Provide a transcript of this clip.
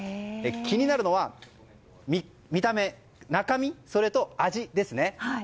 気になるのは見た目、中身それと味ですね。